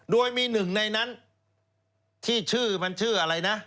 โดยมีหนึ่งในนั้นที่ชื่อมันชื่ออะไรนะ